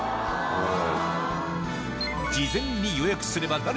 はい。